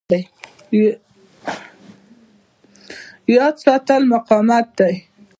یاد ساتل مقاومت دی.